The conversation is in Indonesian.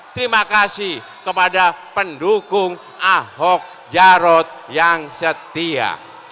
terima kasih kepada pendukung ahok jarot yang setia